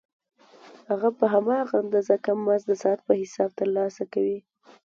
هغه په هماغه اندازه کم مزد د ساعت په حساب ترلاسه کوي